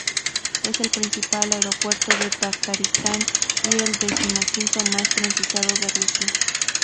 Es el principal aeropuerto de Tartaristán y el decimoquinto más transitado de Rusia.